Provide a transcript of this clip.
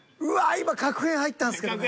今確変入ったんすけどね。